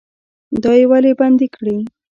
دا یې ولې بندي کړي؟